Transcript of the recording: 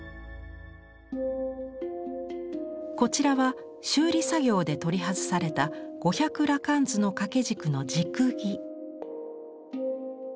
こちらは修理作業で取り外された「五百羅漢図」の掛け軸の軸木。